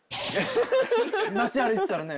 街歩いてたらね。